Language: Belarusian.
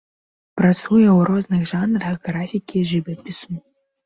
Працуе ў розных жанрах графікі і жывапісу.